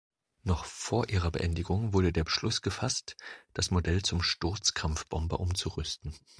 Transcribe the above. Noch vor ihrer Beendigung wurde der Beschluss gefasst, das Modell zum Sturzkampfbomber umzurüsten.